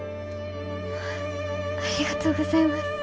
ありがとうございます。